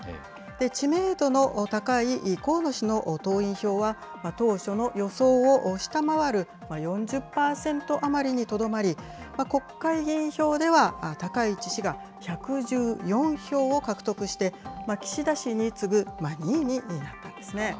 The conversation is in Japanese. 知名度の高い河野氏の党員票は、当初の予想を下回る４０％余りにとどまり、国会議員票では高市氏が１１４票を獲得して、岸田氏に次ぐ２位になっていますね。